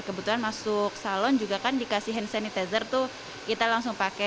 kebetulan masuk salon juga kan dikasih hand sanitizer tuh kita langsung pakai